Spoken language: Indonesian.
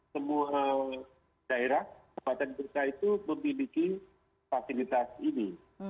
semua daerah tempatan berkah itu memiliki fasilitas ini